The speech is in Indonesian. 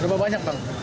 berapa banyak pak